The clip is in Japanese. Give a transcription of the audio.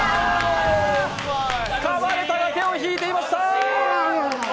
かまれたが手を引いていました。